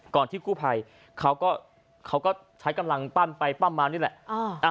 ที่กู้ภัยเขาก็ใช้กำลังปั้มไปปั้มมานี่แหละ